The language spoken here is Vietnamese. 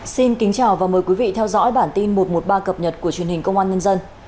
xin kính chào và mời quý vị theo dõi bản tin một trăm một mươi ba cập nhật của truyền hình công an nhân dân